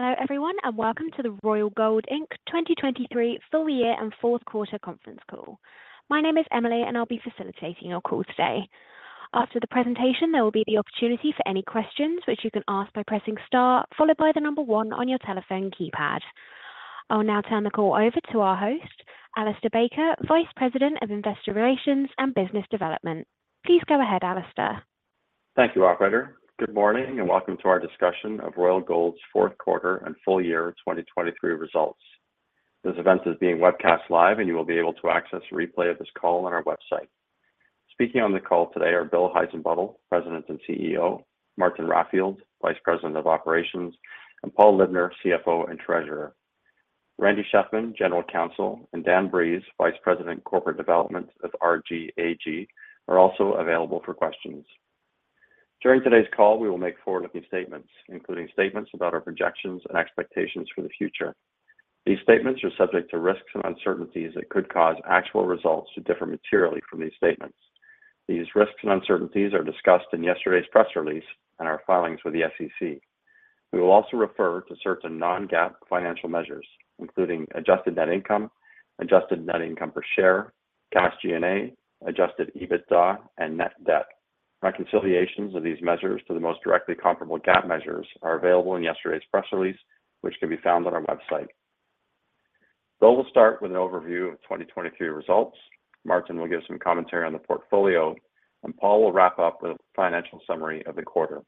Hello, everyone, and welcome to the Royal Gold Inc. 2023 Full Year and Fourth Quarter Conference Call. My name is Emily, and I'll be facilitating your call today. After the presentation, there will be an opportunity for any questions, which you can ask by pressing star followed by the number one on your telephone keypad. I'll now turn the call over to our host, Alistair Baker, Vice President of Investor Relations and Business Development. Please go ahead, Alistair. Thank you, operator. Good morning, and welcome to our discussion of Royal Gold's Fourth Quarter and Full Year 2023 Results. This event is being webcast live, and you will be able to access a replay of this call on our website. Speaking on the call today are Bill Heissenbuttel, President and CEO, Martin Raffield, Vice President of Operations, and Paul Libner, CFO and Treasurer. Randy Shefman, General Counsel, and Dan Breeze, Vice President Corporate Development of RGLD Gold AG, are also available for questions. During today's call, we will make forward-looking statements, including statements about our projections and expectations for the future. These statements are subject to risks and uncertainties that could cause actual results to differ materially from these statements. These risks and uncertainties are discussed in yesterday's press release and our filings with the SEC. We will also refer to certain non-GAAP financial measures, including Adjusted Net Income, Adjusted Net Income per share, Cash G&A, Adjusted EBITDA, and Net Debt. Reconciliations of these measures to the most directly comparable GAAP measures are available in yesterday's press release, which can be found on our website. Bill will start with an overview of 2023 results. Martin will give some commentary on the portfolio, and Paul will wrap up with a financial summary of the quarter.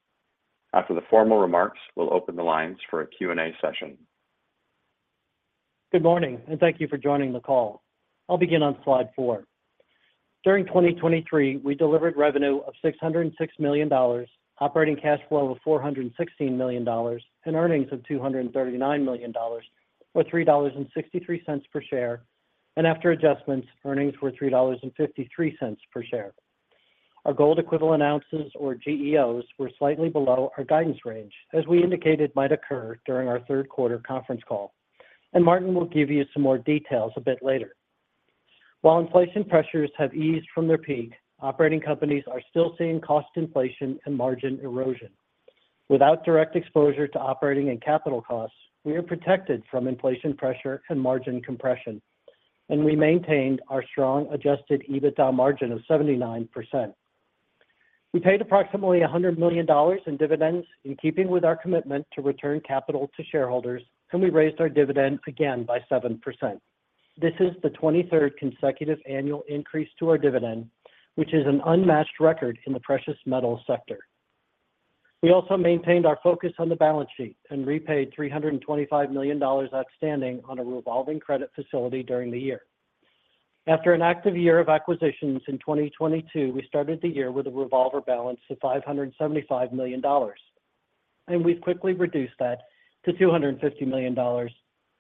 After the formal remarks, we'll open the lines for a Q&A session. Good morning, and thank you for joining the call. I'll begin on slide 4. During 2023, we delivered revenue of $606 million, operating cash flow of $416 million, and earnings of $239 million, or $3.63 per share. After adjustments, earnings were $3.53 per share. Our gold equivalent ounces, or GEOs, were slightly below our guidance range, as we indicated might occur during our third quarter conference call, and Martin will give you some more details a bit later. While inflation pressures have eased from their peak, operating companies are still seeing cost inflation and margin erosion. Without direct exposure to operating and capital costs, we are protected from inflation pressure and margin compression, and we maintained our strong adjusted EBITDA margin of 79%. We paid approximately $100 million in dividends, in keeping with our commitment to return capital to shareholders, and we raised our dividend again by 7%. This is the 23rd consecutive annual increase to our dividend, which is an unmatched record in the precious metal sector. We also maintained our focus on the balance sheet and repaid $325 million outstanding on a revolving credit facility during the year. After an active year of acquisitions in 2022, we started the year with a revolver balance of $575 million, and we've quickly reduced that to $250 million,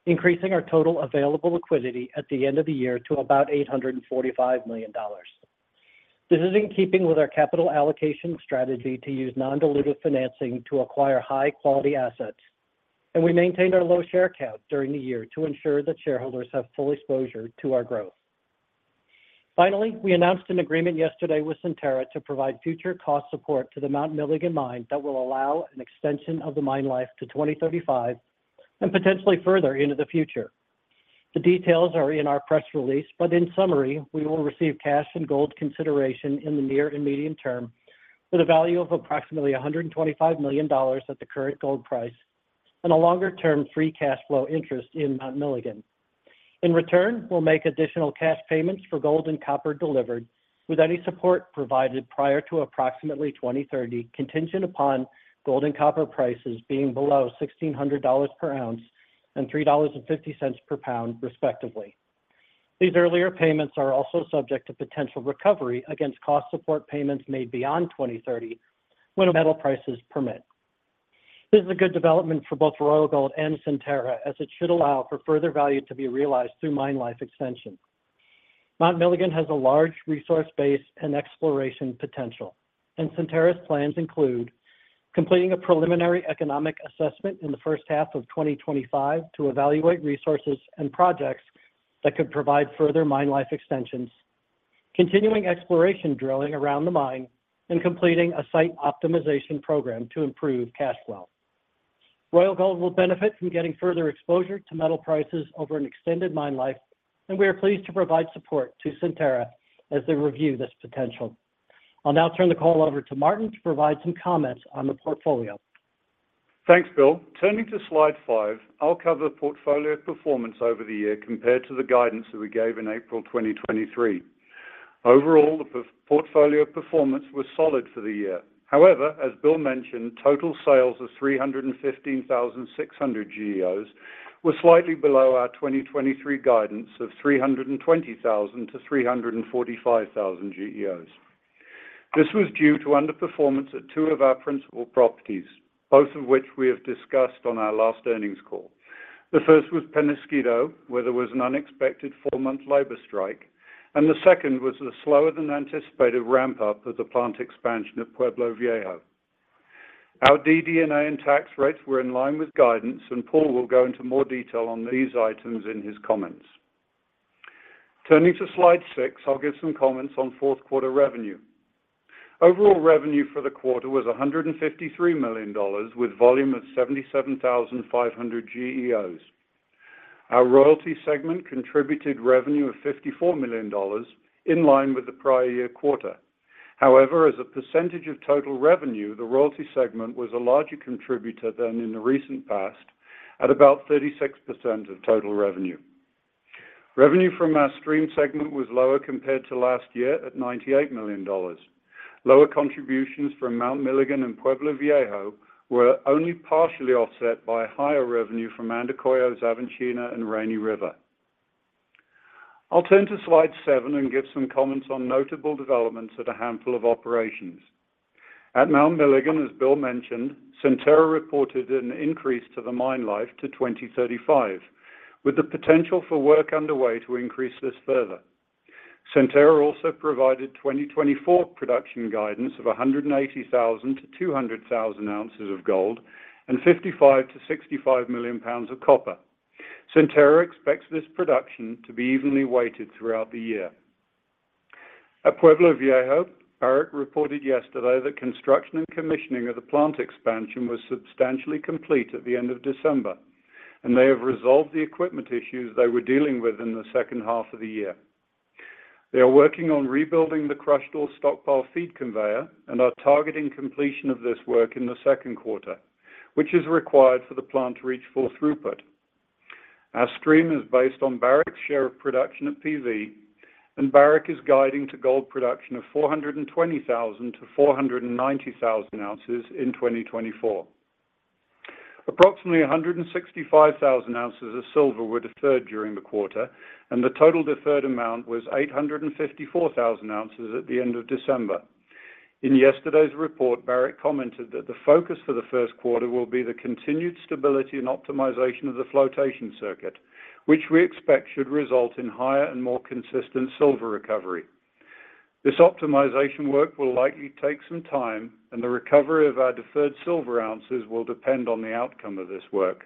increasing our total available liquidity at the end of the year to about $845 million. This is in keeping with our capital allocation strategy to use non-dilutive financing to acquire high-quality assets, and we maintained our low share count during the year to ensure that shareholders have full exposure to our growth. Finally, we announced an agreement yesterday with Centerra to provide future cost support to the Mount Milligan mine that will allow an extension of the mine life to 2035 and potentially further into the future. The details are in our press release, but in summary, we will receive cash and gold consideration in the near and medium term, with a value of approximately $125 million at the current gold price and a longer-term free cash flow interest in Mount Milligan. In return, we'll make additional cash payments for gold and copper delivered, with any support provided prior to approximately 2030, contingent upon gold and copper prices being below $1,600 per ounce and $3.50 per pound, respectively. These earlier payments are also subject to potential recovery against cost support payments made beyond 2030 when metal prices permit. This is a good development for both Royal Gold and Centerra, as it should allow for further value to be realized through mine life extension. Mount Milligan has a large resource base and exploration potential, and Centerra's plans include: completing a preliminary economic assessment in the first half of 2025 to evaluate resources and projects that could provide further mine life extensions, continuing exploration drilling around the mine, and completing a site optimization program to improve cash flow. Royal Gold will benefit from getting further exposure to metal prices over an extended mine life, and we are pleased to provide support to Centerra as they review this potential. I'll now turn the call over to Martin to provide some comments on the portfolio. Thanks, Bill. Turning to Slide 5, I'll cover the portfolio performance over the year compared to the guidance that we gave in April 2023. Overall, the portfolio performance was solid for the year. However, as Bill mentioned, total sales of 315,600 GEOs were slightly below our 2023 guidance of 320,000-345,000 GEOs. This was due to underperformance at two of our principal properties, both of which we have discussed on our last earnings call. The first was Peñasquito, where there was an unexpected 4-month labor strike, and the second was the slower than anticipated ramp-up of the plant expansion of Pueblo Viejo. Our DD&A and tax rates were in line with guidance, and Paul will go into more detail on these items in his comments. Turning to slide 6, I'll give some comments on fourth-quarter revenue. Overall revenue for the quarter was $153 million, with volume of 77,500 GEOs. Our royalty segment contributed revenue of $54 million, in line with the prior year quarter. However, as a percentage of total revenue, the royalty segment was a larger contributor than in the recent past, at about 36% of total revenue. Revenue from our stream segment was lower compared to last year at $98 million. Lower contributions from Mount Milligan and Pueblo Viejo were only partially offset by higher revenue from Andacollo, Khoemacau, and Rainy River. I'll turn to slide 7 and give some comments on notable developments at a handful of operations. At Mount Milligan, as Bill mentioned, Centerra reported an increase to the mine life to 2035, with the potential for work underway to increase this further. Centerra also provided 2024 production guidance of 180,000-200,000 ounces of gold and 55-65 million pounds of copper. Centerra expects this production to be evenly weighted throughout the year. At Pueblo Viejo, Barrick reported yesterday that construction and commissioning of the plant expansion was substantially complete at the end of December, and they have resolved the equipment issues they were dealing with in the second half of the year. They are working on rebuilding the crushed ore stockpile feed conveyor and are targeting completion of this work in the second quarter, which is required for the plant to reach full throughput. Our stream is based on Barrick's share of production at PV, and Barrick is guiding to gold production of 420,000-490,000 ounces in 2024. Approximately 165,000 ounces of silver were deferred during the quarter, and the total deferred amount was 854,000 ounces at the end of December. In yesterday's report, Barrick commented that the focus for the first quarter will be the continued stability and optimization of the flotation circuit, which we expect should result in higher and more consistent silver recovery. This optimization work will likely take some time, and the recovery of our deferred silver ounces will depend on the outcome of this work.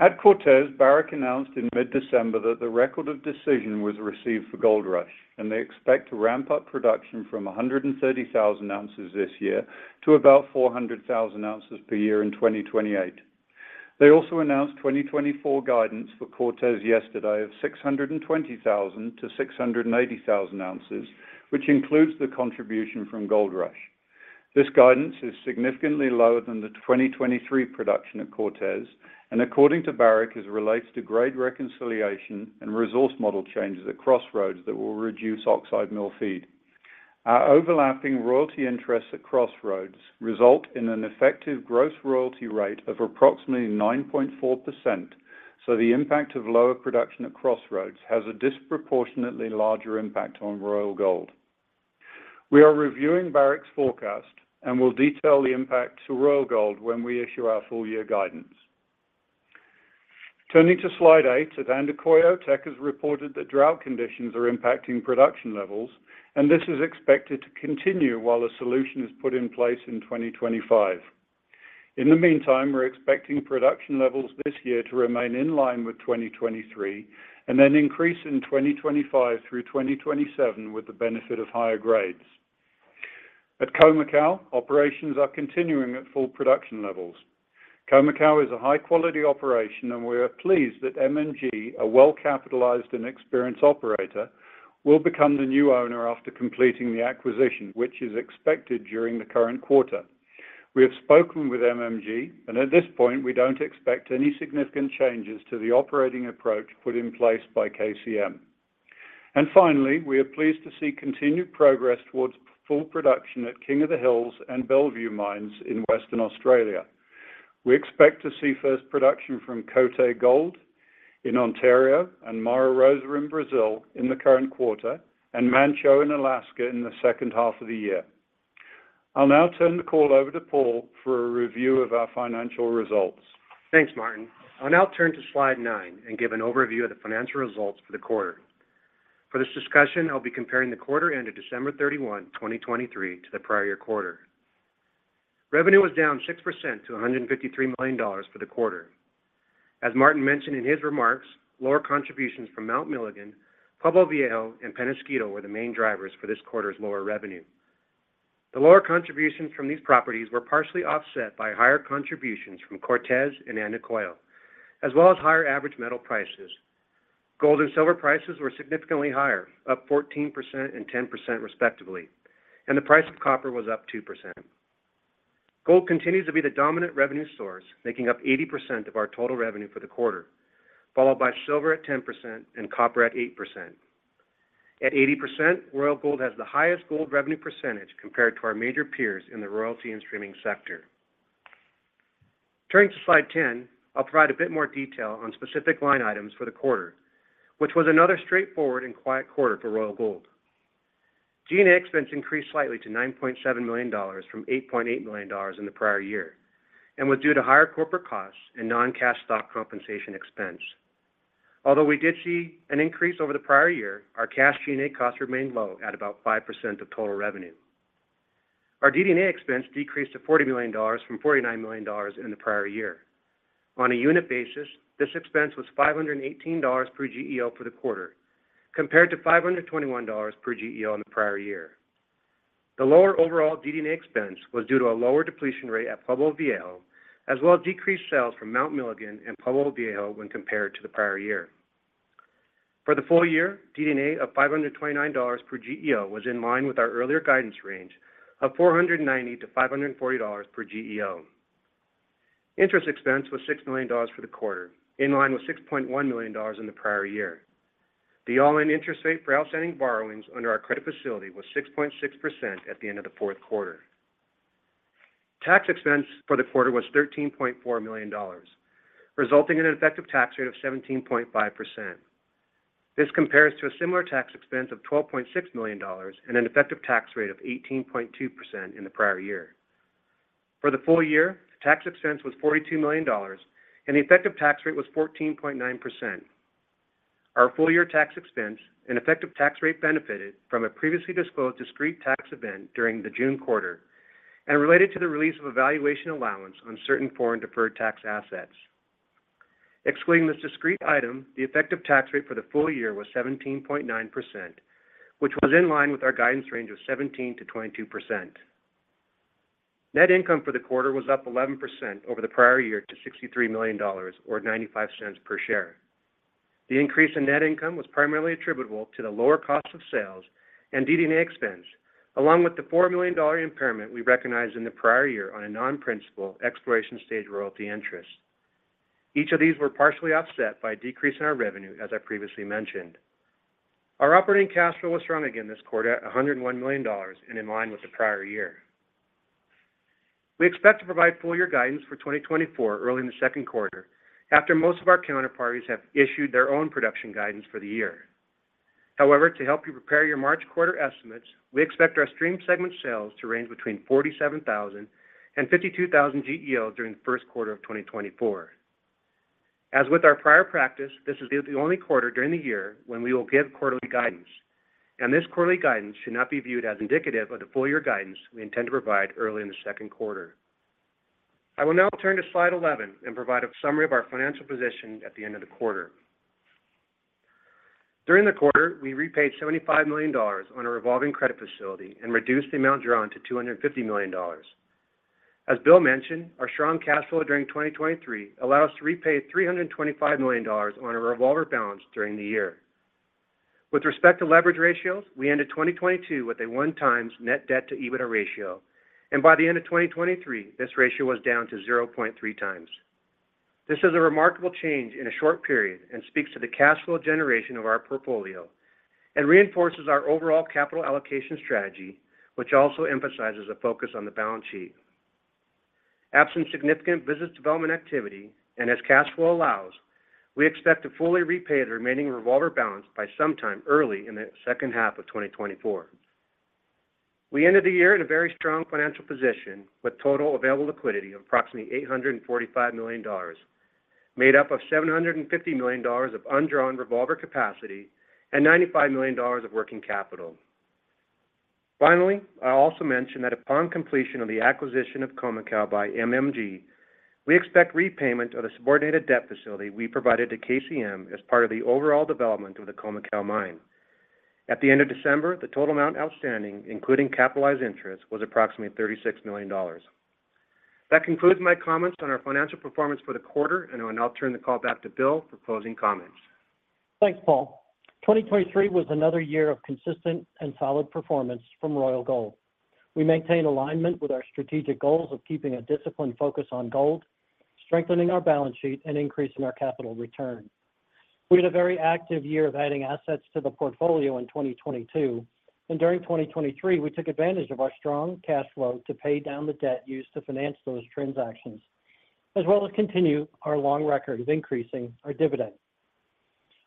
At Cortez, Barrick announced in mid-December that the Record of Decision was received for Goldrush, and they expect to ramp up production from 130,000 ounces this year to about 400,000 ounces per year in 2028. They also announced 2024 guidance for Cortez yesterday of 620,000-680,000 ounces, which includes the contribution from Goldrush. This guidance is significantly lower than the 2023 production at Cortez, and according to Barrick, it relates to grade reconciliation and resource model changes at Crossroads that will reduce oxide mill feed. Our overlapping royalty interests at Crossroads result in an effective gross royalty rate of approximately 9.4%, so the impact of lower production at Crossroads has a disproportionately larger impact on Royal Gold. We are reviewing Barrick's forecast and will detail the impact to Royal Gold when we issue our full-year guidance. Turning to slide 8, at Andacollo, Teck has reported that drought conditions are impacting production levels, and this is expected to continue while a solution is put in place in 2025. In the meantime, we're expecting production levels this year to remain in line with 2023, and then increase in 2025 through 2027 with the benefit of higher grades. At Khoemacau, operations are continuing at full production levels. Khoemacau is a high-quality operation, and we are pleased that MMG, a well-capitalized and experienced operator, will become the new owner after completing the acquisition, which is expected during the current quarter. We have spoken with MMG, and at this point, we don't expect any significant changes to the operating approach put in place by KCM. Finally, we are pleased to see continued progress towards full production at King of the Hills and Bellevue Mines in Western Australia. We expect to see first production from Côté Gold in Ontario and Mara Rosa in Brazil in the current quarter, and Manh Choh in Alaska in the second half of the year. I'll now turn the call over to Paul for a review of our financial results. Thanks, Martin. I'll now turn to slide 9 and give an overview of the financial results for the quarter. For this discussion, I'll be comparing the quarter end of December 31, 2023, to the prior year quarter. Revenue was down 6% to $153 million for the quarter. As Martin mentioned in his remarks, lower contributions from Mount Milligan, Pueblo Viejo, and Peñasquito were the main drivers for this quarter's lower revenue. The lower contributions from these properties were partially offset by higher contributions from Cortez and Andacollo, as well as higher average metal prices. Gold and silver prices were significantly higher, up 14% and 10%, respectively, and the price of copper was up 2%. Gold continues to be the dominant revenue source, making up 80% of our total revenue for the quarter, followed by silver at 10% and copper at 8%. At 80%, Royal Gold has the highest gold revenue percentage compared to our major peers in the royalty and streaming sector. Turning to slide 10, I'll provide a bit more detail on specific line items for the quarter, which was another straightforward and quiet quarter for Royal Gold. G&A expense increased slightly to $9.7 million from $8.8 million in the prior year, and was due to higher corporate costs and non-cash stock compensation expense. Although we did see an increase over the prior year, our cash G&A costs remained low at about 5% of total revenue. Our DD&A expense decreased to $40 million from $49 million in the prior year. On a unit basis, this expense was $518 per GEO for the quarter, compared to $521 per GEO in the prior year. The lower overall DD&A expense was due to a lower depletion rate at Pueblo Viejo, as well as decreased sales from Mount Milligan and Pueblo Viejo when compared to the prior year. For the full year, DD&A of $529 per GEO was in line with our earlier guidance range of $490-$540 per GEO. Interest expense was $6 million for the quarter, in line with $6.1 million in the prior year. The all-in interest rate for outstanding borrowings under our credit facility was 6.6% at the end of the fourth quarter. Tax expense for the quarter was $13.4 million, resulting in an effective tax rate of 17.5%. This compares to a similar tax expense of $12.6 million and an effective tax rate of 18.2% in the prior year. For the full year, tax expense was $42 million, and the effective tax rate was 14.9%. Our full-year tax expense and effective tax rate benefited from a previously disclosed discrete tax event during the June quarter and related to the release of a valuation allowance on certain foreign deferred tax assets. Excluding this discrete item, the effective tax rate for the full year was 17.9%, which was in line with our guidance range of 17%-22%. Net income for the quarter was up 11% over the prior year to $63 million or $0.95 per share. The increase in net income was primarily attributable to the lower cost of sales and DD&A expense, along with the $4 million impairment we recognized in the prior year on a non-principal exploration stage royalty interest. Each of these were partially offset by a decrease in our revenue, as I previously mentioned. Our operating cash flow was strong again this quarter, $101 million, and in line with the prior year. We expect to provide full year guidance for 2024 early in the second quarter, after most of our counterparties have issued their own production guidance for the year. However, to help you prepare your March quarter estimates, we expect our stream segment sales to range between 47,000 and 52,000 GEO during the first quarter of 2024. As with our prior practice, this is the only quarter during the year when we will give quarterly guidance, and this quarterly guidance should not be viewed as indicative of the full-year guidance we intend to provide early in the second quarter. I will now turn to slide 11 and provide a summary of our financial position at the end of the quarter. During the quarter, we repaid $75 million on a revolving credit facility and reduced the amount drawn to $250 million. As Bill mentioned, our strong cash flow during 2023 allowed us to repay $325 million on a revolver balance during the year. With respect to leverage ratios, we ended 2022 with a 1x net debt to EBITDA ratio, and by the end of 2023, this ratio was down to 0.3x. This is a remarkable change in a short period and speaks to the cash flow generation of our portfolio and reinforces our overall capital allocation strategy, which also emphasizes a focus on the balance sheet. Absent significant business development activity, and as cash flow allows, we expect to fully repay the remaining revolver balance by sometime early in the second half of 2024. We ended the year in a very strong financial position, with total available liquidity of approximately $845 million, made up of $750 million of undrawn revolver capacity and $95 million of working capital. Finally, I also mention that upon completion of the acquisition of Khoemacau by MMG, we expect repayment of the subordinated debt facility we provided to KCM as part of the overall development of the Khoemacau mine. At the end of December, the total amount outstanding, including capitalized interest, was approximately $36 million. That concludes my comments on our financial performance for the quarter, and I will now turn the call back to Bill for closing comments. Thanks, Paul. 2023 was another year of consistent and solid performance from Royal Gold. We maintain alignment with our strategic goals of keeping a disciplined focus on gold, strengthening our balance sheet, and increasing our capital return. We had a very active year of adding assets to the portfolio in 2022, and during 2023, we took advantage of our strong cash flow to pay down the debt used to finance those transactions, as well as continue our long record of increasing our dividend.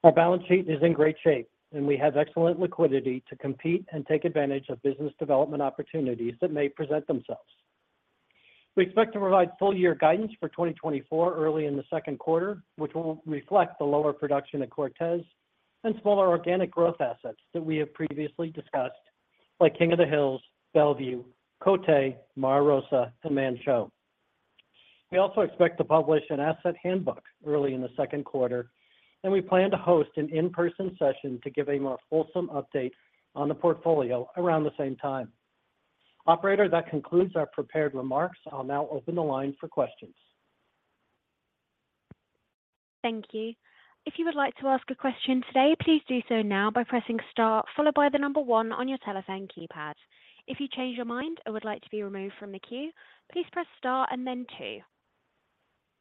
Our balance sheet is in great shape, and we have excellent liquidity to compete and take advantage of business development opportunities that may present themselves. We expect to provide full year guidance for 2024 early in the second quarter, which will reflect the lower production at Cortez and smaller organic growth assets that we have previously discussed, like King of the Hills, Bellevue, Côté, Mara Rosa, and Manh Choh. We also expect to publish an asset handbook early in the second quarter, and we plan to host an in-person session to give a more wholesome update on the portfolio around the same time. Operator, that concludes our prepared remarks. I'll now open the line for questions. Thank you. If you would like to ask a question today, please do so now by pressing star, followed by the number one on your telephone keypad. If you change your mind or would like to be removed from the queue, please press star and then two.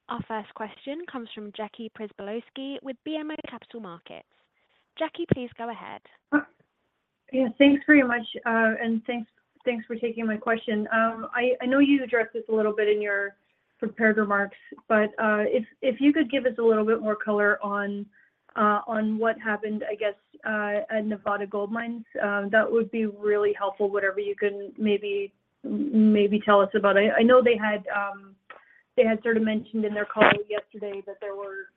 Our first question comes from Jackie Przybylowski with BMO Capital Markets. Jackie, please go ahead. Yeah, thanks very much, and thanks for taking my question. I know you addressed this a little bit in your prepared remarks, but if you could give us a little bit more color on what happened, I guess, at Nevada Gold Mines, that would be really helpful. Whatever you can maybe tell us about. I know they had they had mentioned in their call yesterday that there were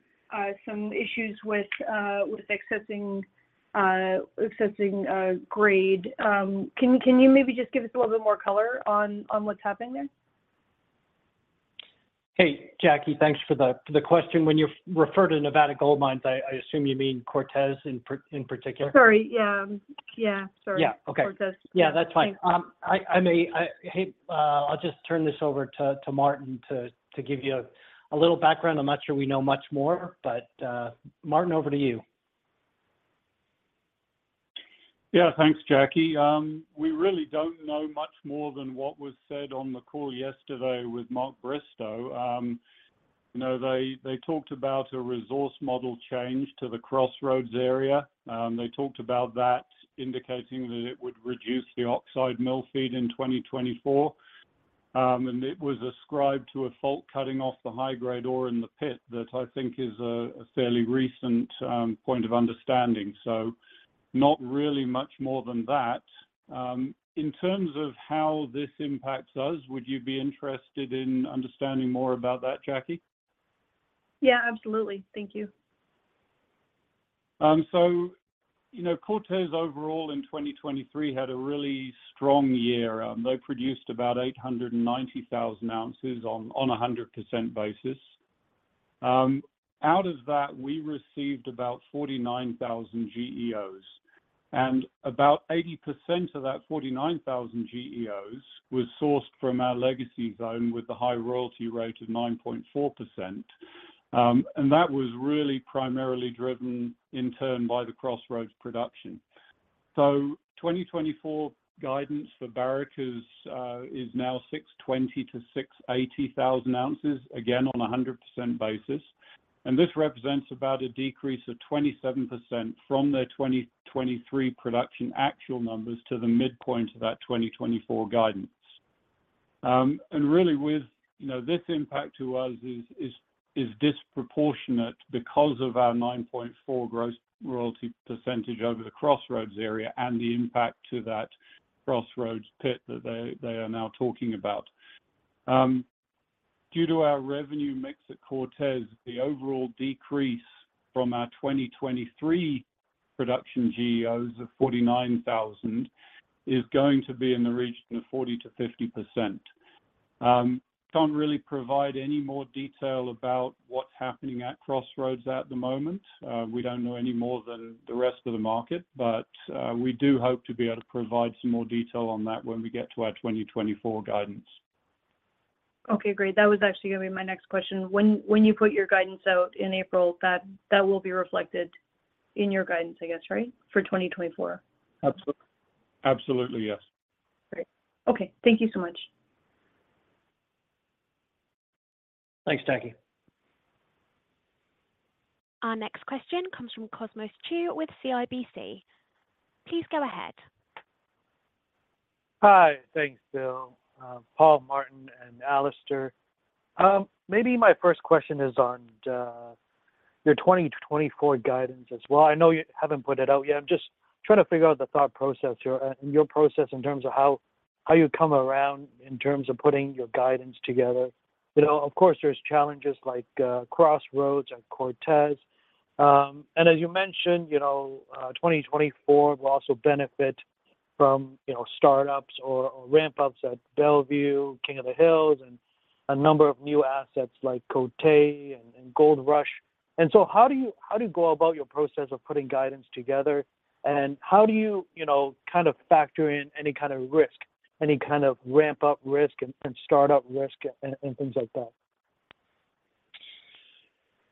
some issues with accessing accessing grade. Can, can you maybe just give us a little bit more color on what's happening there? Hey, Jackie, thanks for the question. When you refer to Nevada Gold Mines, I assume you mean Cortez in particular? Cortez. Yeah, that's fine. I'll just turn this over to Martin to give you a little background. I'm not sure we know much more, but Martin, over to you. Yeah, thanks, Jackie. We really don't know much more than what was said on the call yesterday with Mark Bristow. You know, they talked about a resource model change to the Crossroads area. They talked about that indicating that it would reduce the oxide mill feed in 2024. And it was ascribed to a fault cutting off the high-grade ore in the pit that I think is a fairly recent point of understanding. So not really much more than that. In terms of how this impacts us, would you be interested in understanding more about that, Jackie? Absolutely. Thank you. Cortez overall in 2023 had a really strong year. They produced about 890,000 ounces on a 100% basis. Out of that, we received about 49,000 GEOs, and about 80% of that 49,000 GEOs was sourced from our Legacy Zone with the high royalty rate of 9.4%. And that was really primarily driven in turn by the Crossroads production. So 2024 guidance for Barrick is now 620,000-680,000 ounces, again, on a 100% basis. And this represents about a decrease of 27% from their 2023 production actual numbers to the midpoint of that 2024 guidance. And really with, you know, this impact to us is disproportionate because of our 9.4 gross royalty percentage over the Crossroads area and the impact to that Crossroads pit that they are now talking about. Due to our revenue mix at Cortez, the overall decrease from our 2023 production GEOs of 49,000 is going to be in the region of 40%-50%. Can't really provide any more detail about what's happening at Crossroads at the moment. We don't know any more than the rest of the market, but we do hope to be able to provide some more detail on that when we get to our 2024 guidance. Okay, great. That was actually going to be my next question. When you put your guidance out in April, that will be reflected in your guidance, I guess, right? For 2024. Absolutely, yes. Great. Okay, thank you so much. Thanks, Jackie. Our next question comes from Cosmos Chiu with CIBC. Please go ahead. Hi, thanks, Bill. Paul, Martin, and Alistair. Maybe my first question is on your 2024 guidance as well. I know you haven't put it out yet. I'm just trying to figure out the thought process, your process in terms of how you come around in terms of putting your guidance together. You know, of course, there's challenges like Crossroads and Cortez. And as you mentioned, you know, 2024 will also benefit from, you know, startups or ramp-ups at Bellevue, King of the Hills, and a number of new assets like Côté and Gold Rush. And so how do you go about your process of putting guidance together? And how do you, you know, kind of factor in any kind of risk, any kind of ramp-up risk and start-up risk and things like that?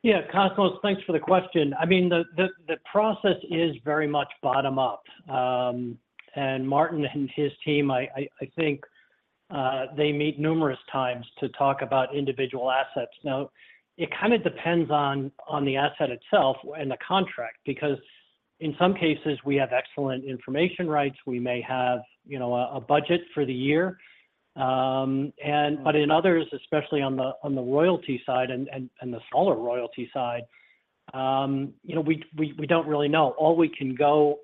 Yeah, Cosmos, thanks for the question. I mean, the process is very much bottom up. And Martin and his team, I think, they meet numerous times to talk about individual assets. Now, it kind of depends on the asset itself and the contract, because in some cases, we have excellent information rights. We may have, you know, a budget for the year. But in others, especially on the royalty side and the smaller royalty side, you know, we don't really know. All we can go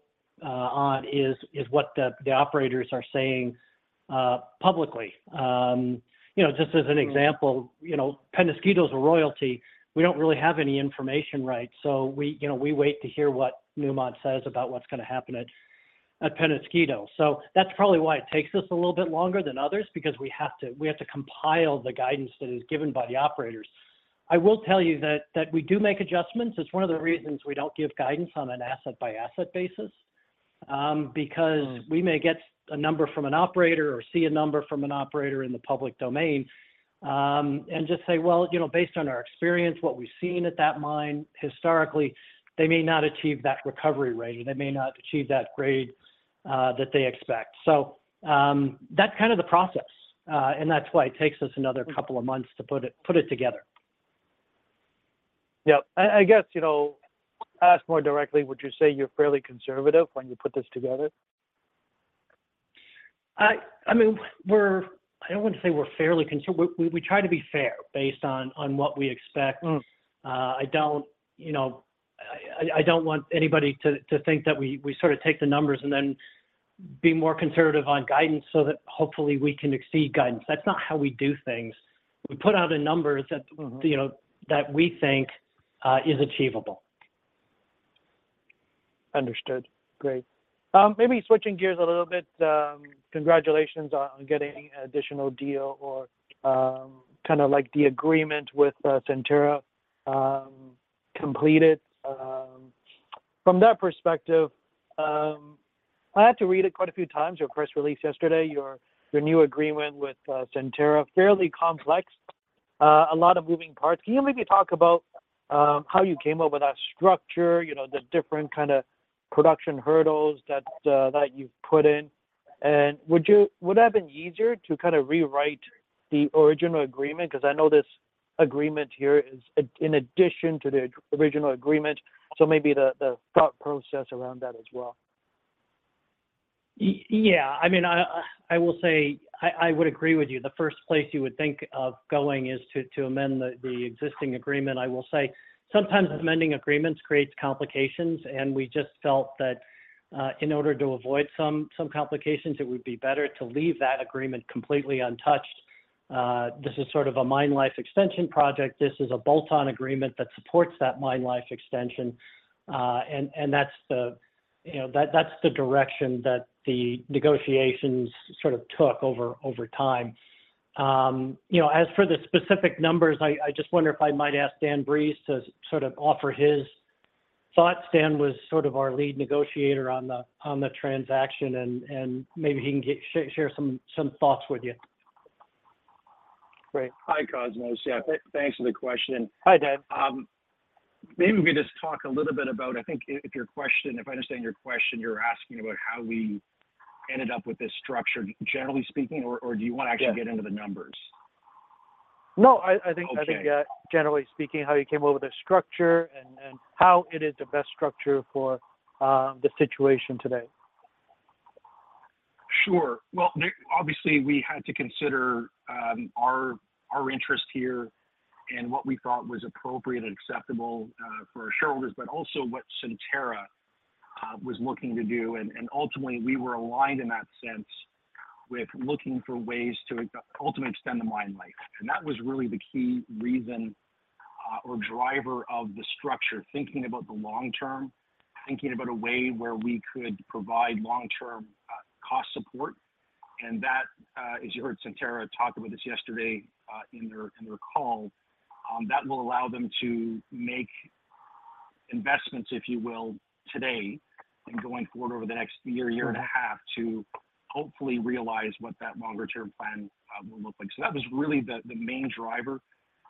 on is what the operators are saying publicly. You know, just as an example, Peñasquito's a royalty, we don't really have any information, right? So we, you know, we wait to hear what Newmont says about what's gonna happen at, at Peñasquito. So that's probably why it takes us a little bit longer than others, because we have to, we have to compile the guidance that is given by the operators. I will tell you that, that we do make adjustments. It's one of the reasons we don't give guidance on an asset-by-asset basis, because we may get a number from an operator or see a number from an operator in the public domain, and just say, "Well, you know, based on our experience, what we've seen at that mine, historically, they may not achieve that recovery rate, they may not achieve that grade, that they expect." So, that's kind of the process, and that's why it takes us another couple of months to put it, put it together. Ask more directly, would you say you're fairly conservative when you put this together? I don't want to say we're fairly conservative. We try to be fair based on what we expect. I don't want anybody to think that we sort of take the numbers and then be more conservative on guidance so that hopefully we can exceed guidance. That's not how we do things. We put out the numbers that you know, that we think, is achievable. Understood. Great. Maybe switching gears a little bit, congratulations on, on getting an additional deal or, kind of like the agreement with, Centerra, completed. From that perspective, I had to read it quite a few times, your press release yesterday, your, your new agreement with, Centerra. Fairly complex, a lot of moving parts. Can you maybe talk about, how you came up with that structure, you know, the different kind of production hurdles that, that you've put in? And would you- would it have been easier to kind of rewrite the original agreement? Because I know this agreement here is a- in addition to the original agreement, so maybe the, the thought process around that as well. Yeah. I mean, I will say I would agree with you. The first place you would think of going is to amend the existing agreement. I will say, sometimes amending agreements creates complications, and we just felt that in order to avoid some complications, it would be better to leave that agreement completely untouched. This is sort of a mine life extension project. This is a bolt-on agreement that supports that mine life extension. And that's the, you know, that's the direction that the negotiations sort of took over time. You know, as for the specific numbers, I just wonder if I might ask Dan Breeze to sort of offer his thoughts. Dan was sort of our lead negotiator on the transaction, and maybe he can share some thoughts with you. Great. Hi, Cosmos. Yeah, thanks for the question. Hi, Dan. Maybe we just talk a little bit about., if I understand your question, you're asking about how we ended up with this structure, generally speaking, or do you want to actually get into the numbers? No, I think, generally speaking, how you came up with the structure and how it is the best structure for the situation today. Sure. Well, obviously, we had to consider our interest here and what we thought was appropriate and acceptable for our shareholders, but also what Centerra was looking to do. And ultimately, we were aligned in that sense with looking for ways to ultimately extend the mine life. And that was really the key reason or driver of the structure, thinking about the long term, thinking about a way where we could provide long-term cost support. And that, as you heard Centerra talk about this yesterday in their call, that will allow them to make investments, if you will, today, and going forward over the next year, year and a half, to hopefully realize what that longer-term plan will look like. So that was really the main driver,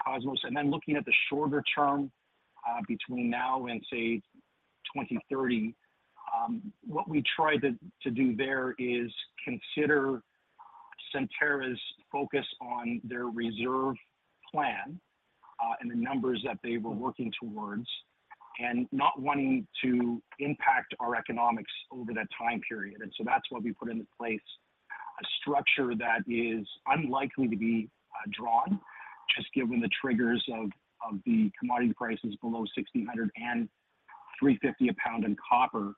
Cosmos. Then looking at the shorter term, between now and say 2030, what we tried to do there is consider Centerra's focus on their reserve plan, and the numbers that they were working towards, and not wanting to impact our economics over that time period. And so that's why we put into place a structure that is unlikely to be drawn, just given the triggers of the commodity prices below $1,600 and $3.50 a pound in copper,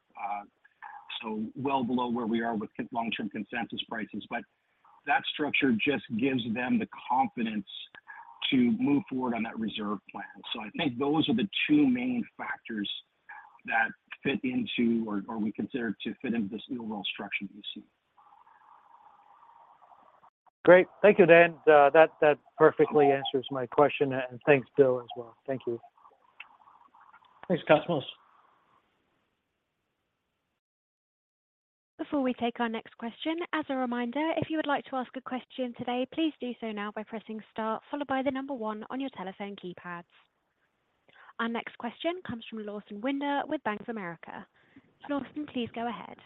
so well below where we are with long-term consensus prices. But that structure just gives them the confidence to move forward on that reserve plan. So I think those are the two main factors that fit into or we consider to fit into this overall structure that you see. Great. Thank you, Dan. That perfectly answers my question, and thanks, Bill, as well. Thank you. Thanks, Cosmos. Before we take our next question, as a reminder, if you would like to ask a question today, please do so now by pressing star, followed by the number 1 on your telephone keypads. Our next question comes from Lawson Winder with Bank of America. Lawson, please go ahead.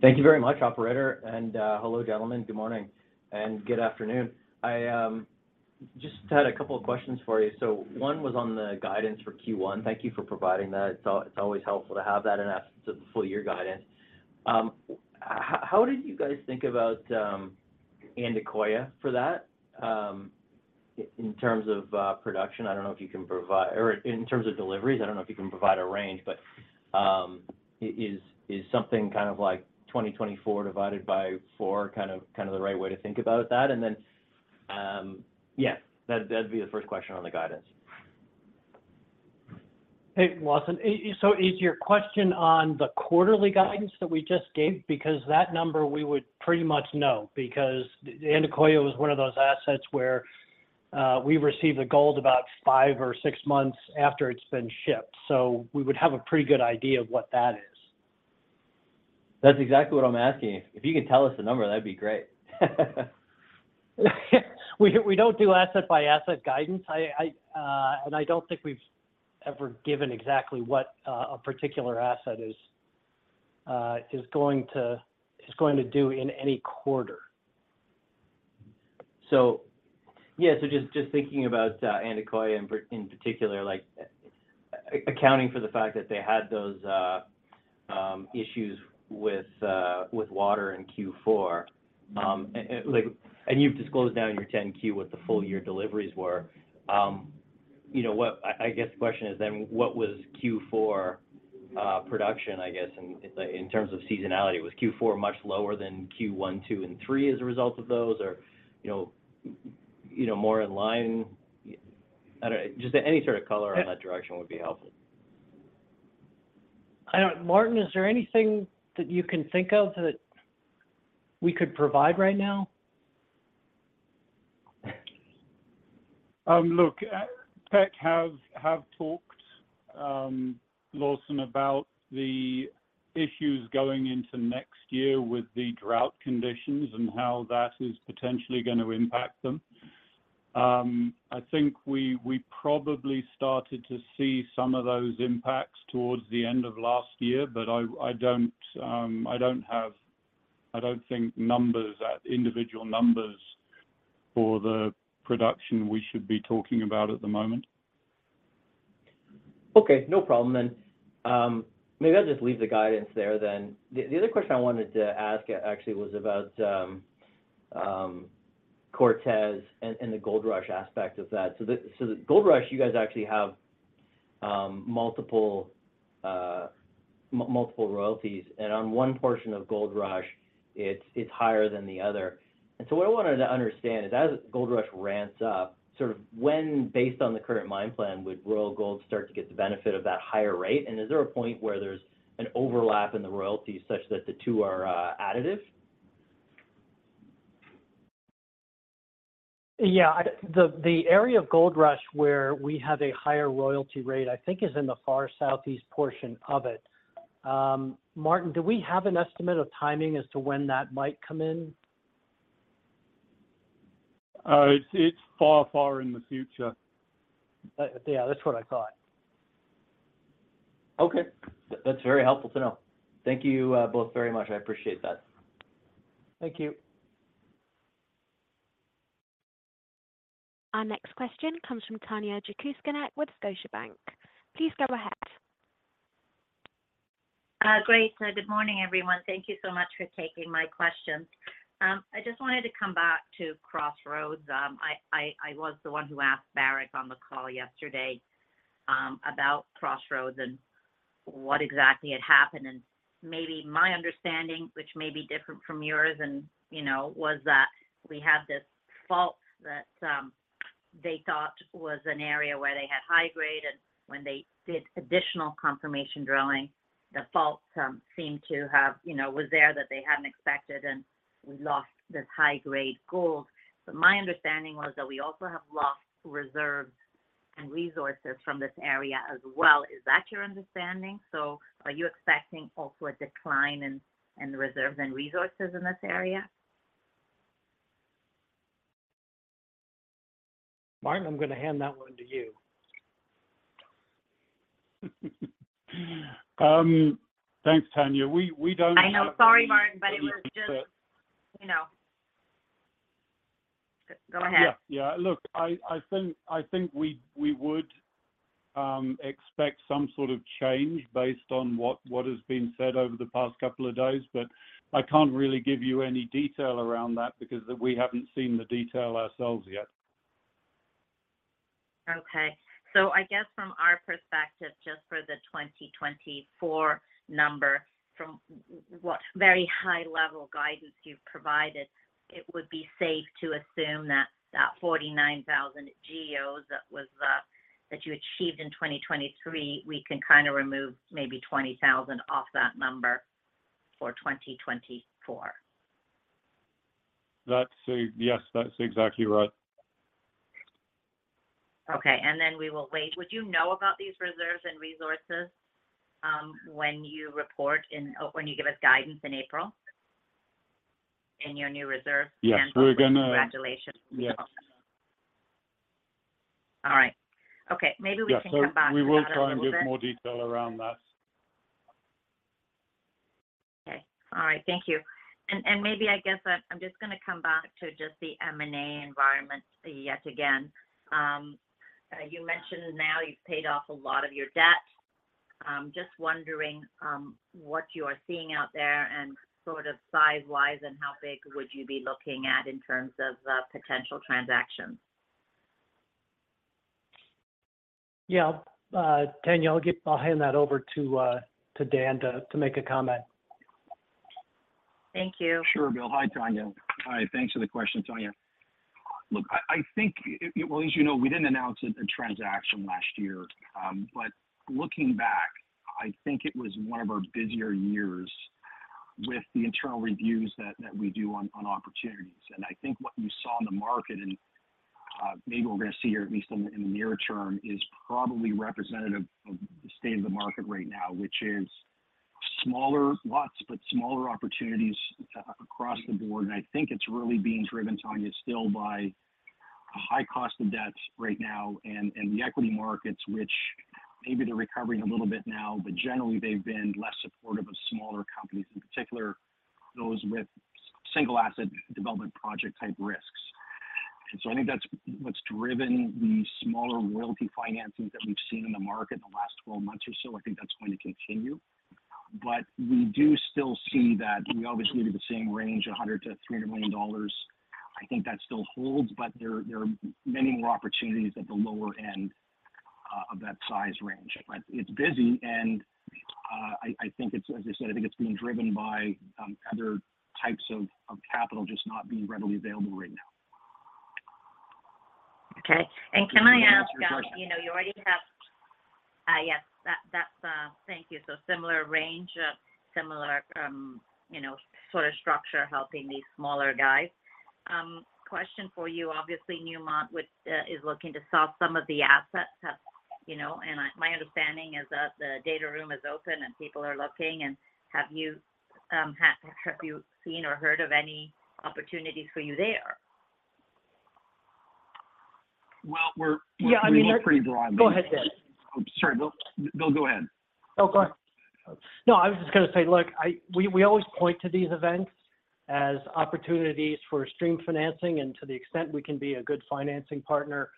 Thank you very much, operator. Hello, gentlemen. Good morning and good afternoon. I just had a couple of questions for you. One was on the guidance for Q1. Thank you for providing that. It's always helpful to have that in absence of the full year guidance. How did you guys think about Andacollo for that in terms of production? I don't know if you can provide... Or in terms of deliveries, I don't know if you can provide a range, but is something kind of like 2024 divided by four kind of the right way to think about that? Then, yeah, that'd be the first question on the guidance. Hey, Lawson. So is your question on the quarterly guidance that we just gave? Because that number we would pretty much know, because Andacollo was one of those assets where we received the gold about five or six months after it's been shipped, so we would have a pretty good idea of what that is. That's exactly what I'm asking. If you can tell us the number, that'd be great. We don't do asset-by-asset guidance. I don't think we've ever given exactly what a particular asset is going to do in any quarter. So, yeah, just thinking about Andacollo in particular, like, accounting for the fact that they had those, issues with water in Q4. And like, you've disclosed now in your 10-Q what the full year deliveries were. You know what? I guess the question is then, what was Q4 production, I guess, in terms of seasonality? Was Q4 much lower than Q1, 2, and 3 as a result of those, or, you know, more in line? I don't, just any sort of color on that direction would be helpful. I don't, Martin, is there anything that you can think of that we could provide right now? Look, Teck have talked, Lawson, about the issues going into next year with the drought conditions and how that is potentially going to impact them. I think we probably started to see some of those impacts toward the end of last year, but I don't think numbers, individual numbers for the production we should be talking about at the moment. Okay, no problem then. Maybe I'll just leave the guidance there then. The other question I wanted to ask actually was about Cortez and the Goldrush aspect of that. So the Goldrush, you guys actually have multiple royalties, and on one portion of Goldrush, it's higher than the other. And so what I wanted to understand is, as Goldrush ramps up, sort of when, based on the current mine plan, would Royal Gold start to get the benefit of that higher rate? And is there a point where there's an overlap in the royalties such that the two are additive? Yeah. The area of Gold Rush where we have a higher royalty rate, I think, is in the far southeast portion of it. Martin, do we have an estimate of timing as to when that might come in? It's far, far in the future. Yeah, that's what I thought. Okay. That's very helpful to know. Thank you, both very much. I appreciate that. Thank you. Our next question comes from Tanya Jakusconek with Scotiabank. Please go ahead. Great. So good morning, everyone. Thank you so much for taking my questions. I just wanted to come back to Crossroads. I was the one who asked Barrick on the call yesterday about Crossroads and what exactly had happened. And maybe my understanding, which may be different from yours, and, you know, was that we have this fault that they thought was an area where they had high grade, and when they did additional confirmation drilling, the fault seemed to have, you know, was there that they hadn't expected, and we lost this high-grade gold. But my understanding was that we also have lost reserves and resources from this area as well. Is that your understanding? So are you expecting also a decline in the reserves and resources in this area? Martin, I'm gonna hand that one to you. Thanks, Tanya. Look, I think we would expect some sort of change based on what has been said over the past couple of days, but I can't really give you any detail around that because we haven't seen the detail ourselves yet. Okay. So I guess from our perspective, just for the 2024 number, from what very high level guidance you've provided, it would be safe to assume that that 49,000 GEOs that was, that you achieved in 2023, we can kind of remove maybe 20,000 off that number for 2024? Yes, that's exactly right. Okay, and then we will wait. Would you know about these reserves and resources, when you report in, or when you give us guidance in April, in your new reserve? Congratulations to you all. Yes. All right. Okay, maybe we can come back to that a little bit. Yeah, so we will try and give more detail around that. Okay. All right, thank you. And maybe I guess, I'm just gonna come back to just the M&A environment yet again. You mentioned now you've paid off a lot of your debt. Just wondering, what you are seeing out there and sort of size-wise, and how big would you be looking at in terms of potential transactions? Yeah. Tanya, I'll hand that over to Dan to make a comment. Thank you. Sure, Bill. Hi, Tanya. Hi, thanks for the question, Tanya. Look, I think, well, as you know, we didn't announce a transaction last year, but looking back, I think it was one of our busier years with the internal reviews that we do on opportunities. And I think what you saw in the market, and maybe we're gonna see here, at least in the near term, is probably representative of the state of the market right now, which is smaller lots, but smaller opportunities across the board. And I think it's really being driven, Tanya, still by a high cost of debt right now and the equity markets, which maybe they're recovering a little bit now, but generally, they've been less supportive of smaller companies, in particular, those with single asset development project type risks. And so I think that's what's driven the smaller royalty financings that we've seen in the market in the last 12 months or so. I think that's going to continue. But we do still see that we obviously do the same range, $100 million to $300 million. I think that still holds, but there are many more opportunities at the lower end of that size range. But it's busy, and I think it's, as I said, I think it's being driven by other types of capital just not being readily available right now. Okay. And can I ask, you know, you already have... Yes, that's, thank you. So similar range of similar, you know, sort of structure helping these smaller guys. Question for you, obviously, Newmont, which is looking to sell some of the assets, you know, and my understanding is that the data room is open and people are looking. And have you seen or heard of any opportunities for you there? We're pretty broad. Go ahead, Bill. Oh, go ahead. No, I was just gonna say, look, we always point to these events as opportunities for stream financing, and to the extent we can be a good financing partner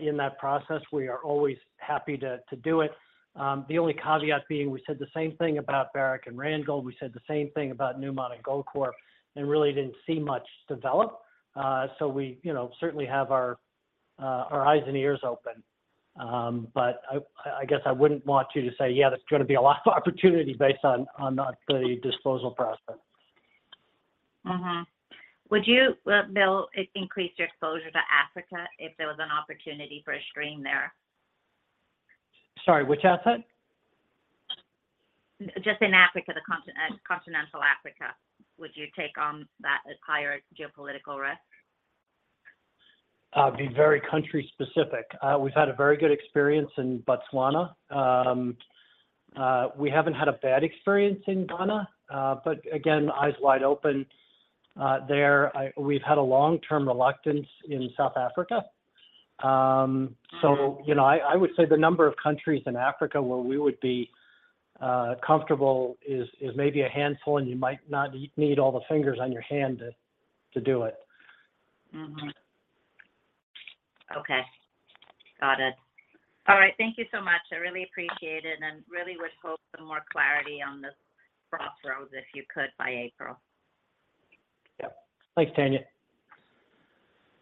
in that process, we are always happy to do it. The only caveat being, we said the same thing about Barrick and Randgold. We said the same thing about Newmont and Goldcorp, and really didn't see much develop. So we, you know, certainly have our eyes and ears open. But I guess I wouldn't want you to say, "Yeah, there's gonna be a lot of opportunities based on the disposal process. Mm-hmm. Would you, Bill, increase your exposure to Africa if there was an opportunity for a stream there? Sorry, which asset? Just in Africa, the continent, continental Africa, would you take on that higher geopolitical risk? It'd be very country specific. We've had a very good experience in Botswana. We haven't had a bad experience in Ghana, but again, eyes wide open, there. We've had a long-term reluctance in South Africa. So, you know, I would say the number of countries in Africa where we would be comfortable is maybe a handful, and you might not need all the fingers on your hand to do it. Okay, got it. All right, thank you so much. I really appreciate it, and really would hope for more clarity on the crossroads, if you could, by April. Yep. Thanks, Tanya.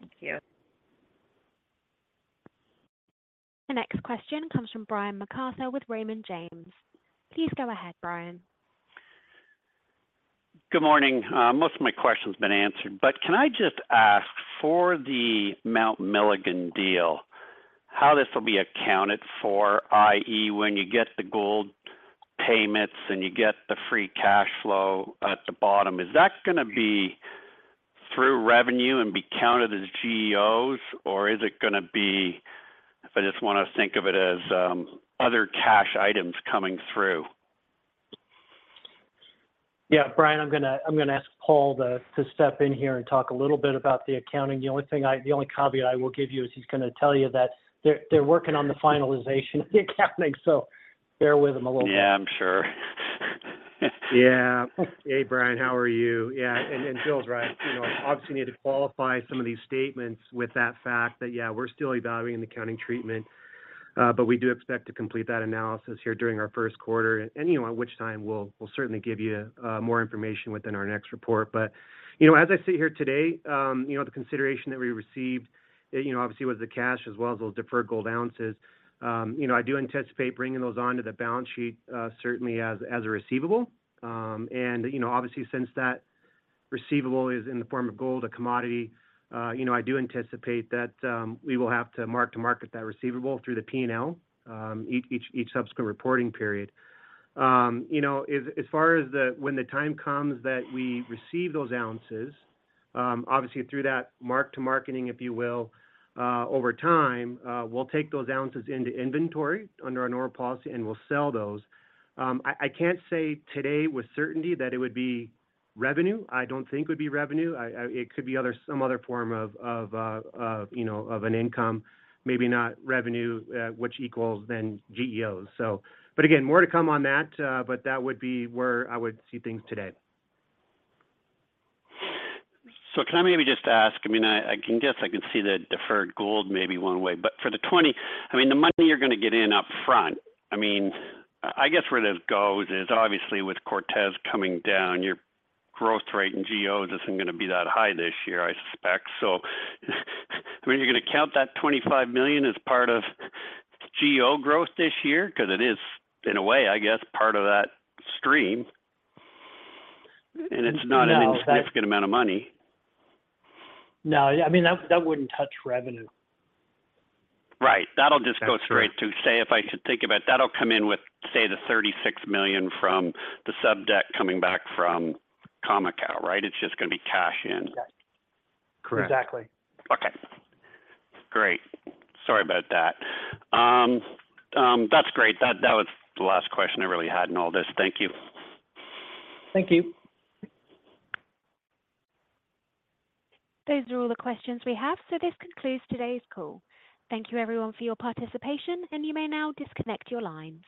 Thank you. The next question comes from Brian MacArthur with Raymond James. Please go ahead, Brian. Good morning. Most of my question's been answered, but can I just ask for the Mount Milligan deal, how this will be accounted for, i.e., when you get the gold payments and you get the free cash flow at the bottom, is that gonna be through revenue and be counted as GEOs, or is it gonna be, if I just wanna think of it as, other cash items coming through? Yeah, Brian, I'm gonna ask Paul to step in here and talk a little bit about the accounting. The only thing I—the only caveat I will give you is he's gonna tell you that they're working on the finalization of the accounting, so bear with him a little bit. Yeah, I'm sure. Yeah. Hey, Brian, how are you? Yeah, and Bill's right. You know, obviously, you need to qualify some of these statements with that fact that, yeah, we're still evaluating the accounting treatment, but we do expect to complete that analysis here during our first quarter. And at which time we'll certainly give you more information within our next report. But, you know, as I sit here today, you know, the consideration that we received, you know, obviously, was the cash as well as those deferred gold ounces. You know, I do anticipate bringing those onto the balance sheet, certainly as a receivable. You know, obviously, since that receivable is in the form of gold, a commodity, you know, I do anticipate that we will have to mark-to-market that receivable through the P&L each subsequent reporting period. You know, as far as when the time comes that we receive those ounces, obviously, through that mark-to-market, if you will, over time, we'll take those ounces into inventory under our normal policy, and we'll sell those. I can't say today with certainty that it would be revenue. I don't think it would be revenue. It could be some other form of, you know, an income, maybe not revenue, which equals then GEOs. But again, more to come on that, but that would be where I would see things today. I can see the deferred gold maybe one way, but for the 20, I mean, the money you're gonna get in upfront I guess where this goes is obviously with Cortez coming down, your growth rate in GEOs isn't gonna be that high this year, I suspect. You're gonna count that $25 million as part of GEO growth this year? Because it is, in a way, I guess, part of that stream. And it's not a significant amount of money. No, I mean, that, that wouldn't touch revenue. That's right. That'll just go straight to, say, if I should think about it, that'll come in with, say, the $36 million from the sub debt coming back from Khoemacau, right? It's just gonna be cash in. Correct. Exactly. Okay, great. Sorry about that. That's great. That was the last question I really had in all this. Thank you. Thank you. Those are all the questions we have, so this concludes today's call. Thank you, everyone, for your participation, and you may now disconnect your lines.